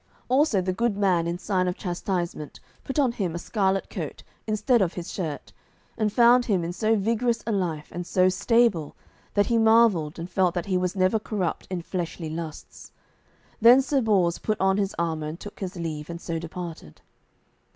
Also the good man in sign of chastisement put on him a scarlet coat, instead of his shirt, and found him in so vigorous a life, and so stable, that he marvelled, and felt that he was never corrupt in fleshly lusts. Then Sir Bors put on his armour, and took his leave, and so departed.